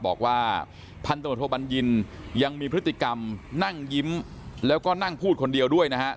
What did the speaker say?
บอกว่าพันตรวจโทบัญญินยังมีพฤติกรรมนั่งยิ้มแล้วก็นั่งพูดคนเดียวด้วยนะฮะ